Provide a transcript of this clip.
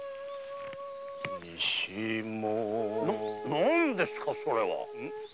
何ですかそれは？